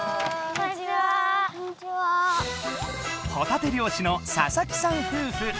ほたて漁師の佐々木さん夫婦。